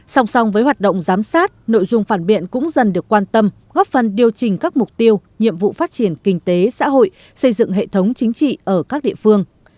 song song với hoạt động giám sát nội dung phản biện cũng dần được quan tâm góp phần điều trình các mục tiêu nhiệm vụ phát triển kinh tế xã hội xây dựng hệ thống chính trị ở các địa phương